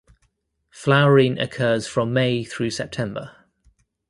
Flowering occurs from May through September.